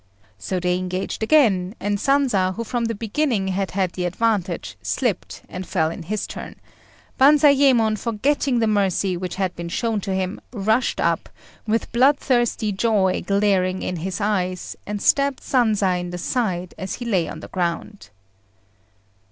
So they engaged again, and Sanza, who from the beginning had had the advantage, slipped and fell in his turn; Banzayémon, forgetting the mercy which had been shown to him, rushed up, with bloodthirsty joy glaring in his eyes, and stabbed Sanza in the side as he lay on the ground.